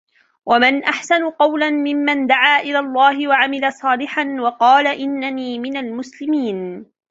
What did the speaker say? ومن أحسن قولا ممن دعا إلى الله وعمل صالحا وقال إنني من المسلمين